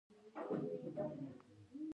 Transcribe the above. ایا مصنوعي ځیرکتیا د باور وړتیا نه کمزورې کوي؟